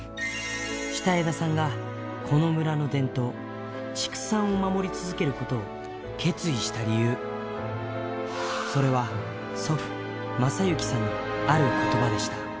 下枝さんがこの村の伝統、畜産を守り続けることを決意した理由、それは祖父、正行さんのあることばでした。